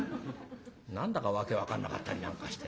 何だか訳分かんなかったりなんかしてね。